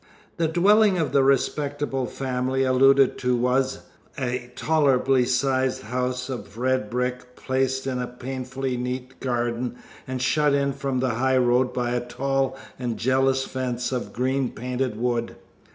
The dwelling of the respectable family alluded to was a tolerably sized house of red brick, placed in a painfully neat garden, and shut in from the high road by a tall and jealous fence of green painted wood.